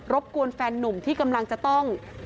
บกวนแฟนนุ่มที่กำลังจะต้อง